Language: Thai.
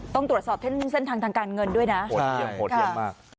ต้องตรวจสอบเส้นทางทางการเงินด้วยนะโหดเยี่ยมโหดเยี่ยมมาก